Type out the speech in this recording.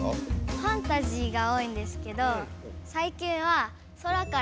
ファンタジーが多いんですけどさいきんはすごい！